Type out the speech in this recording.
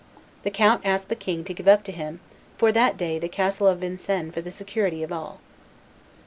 The count asked the king to give up to him "for that day the castle of Vincennes for the security of all."